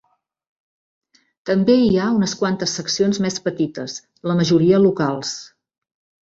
També hi ha unes quantes seccions més petites, la majoria locals.